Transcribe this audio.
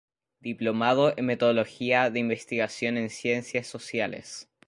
Diplomado en Metodología de Investigación en Ciencias Sociales.